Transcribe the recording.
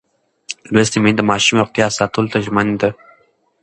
لوستې میندې د ماشوم روغتیا ساتلو ته ژمنه ده.